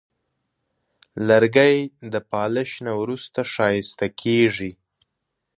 لرګی د پالش نه وروسته ښایسته کېږي.